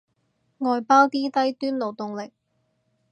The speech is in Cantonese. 外包啲低端勞動力